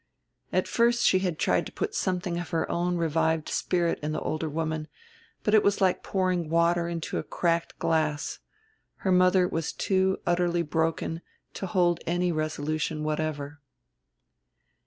At first she had tried to put something of her own revived spirit in the older woman but it was like pouring water into a cracked glass: her mother was too utterly broken to hold any resolution whatever.